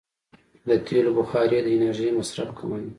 د تېلو بخاري د انرژۍ مصرف کموي.